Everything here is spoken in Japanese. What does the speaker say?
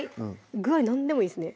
具合なんでもいいですね